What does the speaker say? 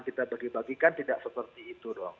kita bagi bagikan tidak seperti itu dong